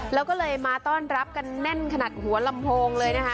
แล้วก็เลยมาต้อนรับกันแน่นขนาดหัวลำโพงเลยนะคะ